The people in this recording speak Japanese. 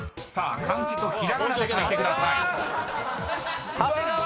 ［漢字とひらがなで書いてください］